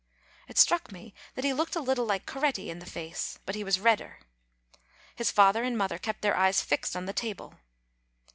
It struck me that he looked a little like Coretti, in the face; but he was redder. His father and mother kept their eyes fixed on the table.